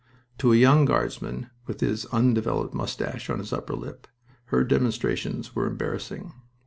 To a young Guardsman, with his undeveloped mustache on his upper lip, her demonstrations were embarrassing.